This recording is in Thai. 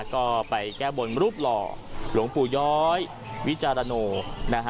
ก็ไปแก้บนรูปหล่อหลวงปู่ย้อยวิจารณโนนะฮะ